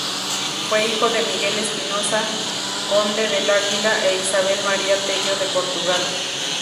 Fue hijo de Miguel Espinosa, conde del Águila e Isabel María Tello de Portugal.